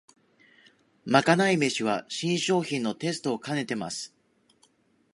まかない飯は新商品のテストをかねてます